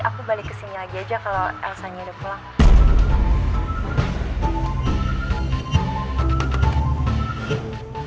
aku balik ke sini lagi aja kalau elsanya udah pulang